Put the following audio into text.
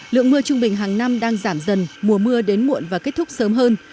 lượng mưa trung bình hàng năm đang giảm dần mùa mưa đến muộn và kết thúc sớm hơn